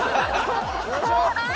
怖い！